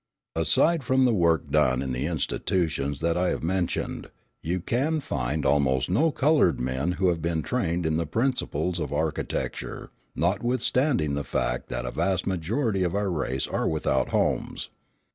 Aside from the work done in the institutions that I have mentioned, you can find almost no coloured men who have been trained in the principles of architecture, notwithstanding the fact that a vast majority of our race are without homes.